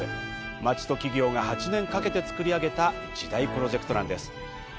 町と企業が８年かけて作り上げた一大プロジェクトなんです。